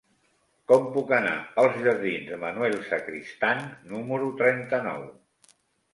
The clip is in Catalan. Com puc anar als jardins de Manuel Sacristán número trenta-nou?